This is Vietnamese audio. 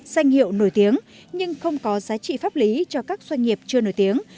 danh hiệu nổi tiếng nhưng không có giá trị pháp lý cho các doanh nghiệp chưa nổi tiếng